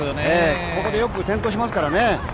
ここでよく転倒しますからね。